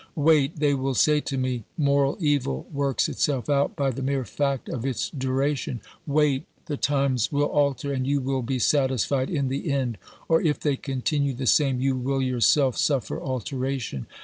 Wait, they will say to me, moral evil works itself out by the mere fact of its duration ; wait, the times will alter, and you will be satisfied in the end, or if they continue the same, you will yourself suffer alteration.